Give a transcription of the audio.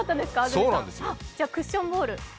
じゃあクッションボール。